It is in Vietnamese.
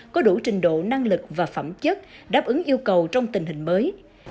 có đủ trình độ năng lực và phẩm chất đáp ứng yêu cầu trong tình hình mới